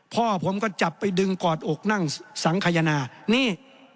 พ่อผมก็จับไปดึงกอดอกนั่งสังขยนานี่